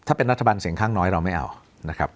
ถ้าเป็นรัฐบาลเสียงข้างน้อยเราไม่เอานะครับ